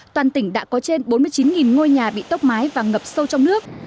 toàn tỉnh đã có trên bốn mươi chín ngôi nhà bị tốc mái và ngập sâu trong nước